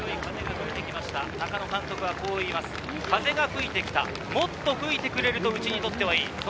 中野監督は風が吹いてきた、もっと吹いてくれるとうちにとってはいい。